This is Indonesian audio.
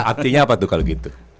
artinya apa tuh kalau gitu